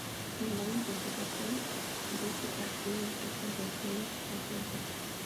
Sin embargo interpretación de este cuarteto despertó reacciones adversas.